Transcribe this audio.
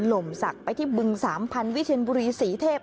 หล่มสักไปที่บึง๓พันธุ์วิเชียนบุรีสีเทพ